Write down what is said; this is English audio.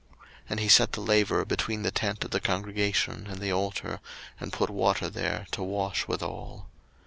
02:040:030 And he set the laver between the tent of the congregation and the altar, and put water there, to wash withal.